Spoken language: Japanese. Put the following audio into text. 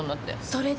それで？